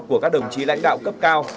của các đồng chí lãnh đạo cấp cao